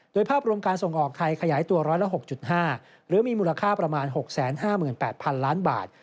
โดยภาพรวมการส่งออกไทยขยายตัวร้อยละ๖๕หรือมีมูลค่าประมาณ๖๕๘๐๐๐ล้านบาท